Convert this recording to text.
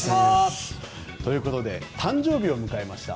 ということで誕生日を迎えました。